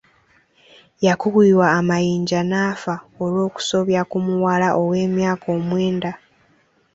Yakubibwa amayinja n'afa olw'okusobya ku muwala ow'emyaka omwenda.